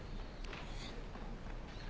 えっ？